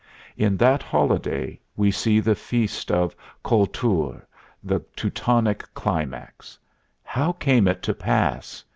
In that holiday we see the feast of Kultur, the Teutonic climax. How came it to pass?